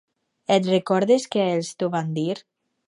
Et recordes que ells t'ho van dir?